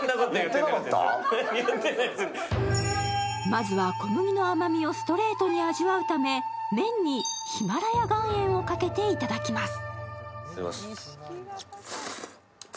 まずは小麦の甘みをストレートに味わうため麺にヒマラヤ岩塩をかけて頂きます。